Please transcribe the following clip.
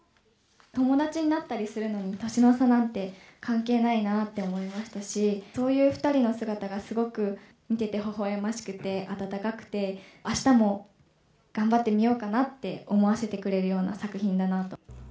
友達になったりするのに年の差なんて関係ないなと思いましたし、そういう２人の姿がすごく見ててほほえましくて、温かくて、あしたも頑張ってみようかなって思わせてくれるような作品だなと。